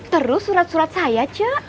terus surat surat saya cak